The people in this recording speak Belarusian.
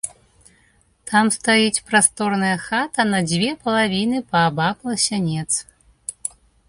Там стаіць прасторная хата на дзве палавіны паабапал сянец.